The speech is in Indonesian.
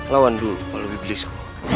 lawan dulu pak wiblisku